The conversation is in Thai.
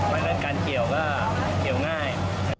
แล้วก็การเกี่ยวก็เกี่ยวง่าย